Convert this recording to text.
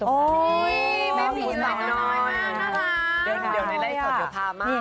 โอ๊ยไม่ผิดเลยตัวน้อย